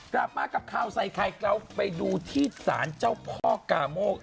กลับมากับข่าวใส่ไข่เราไปดูที่สารเจ้าพ่อกาโมก